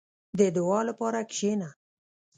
• د دعا لپاره کښېنه.